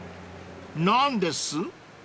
［何です？］